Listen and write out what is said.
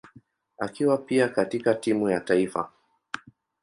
akiwa pia katika timu ya taifa.